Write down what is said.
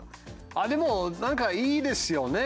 あ、でも、なんかいいですよね。